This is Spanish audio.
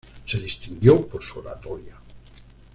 Se distinguió por su oratoria.